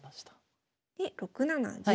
で６七銀。